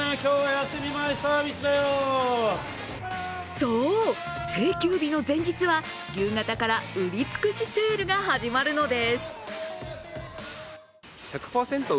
そう、定休日の前日は夕方から売り尽くしセールが始まるのです。